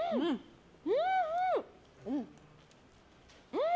うん！